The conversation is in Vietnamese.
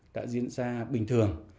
đã diễn ra bình thường